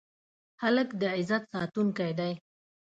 هلک د عزت ساتونکی دی.